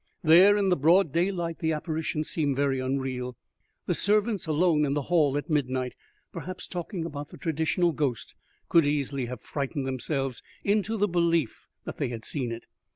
There in the broad daylight the apparition seemed very unreal. The servants, alone in the hall at midnight, perhaps talking about the traditional ghost, could easily have frightened themselves into the belief that they had seen it.